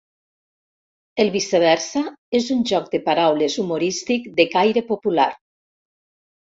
El viceversa és un joc de paraules humorístic de caire popular.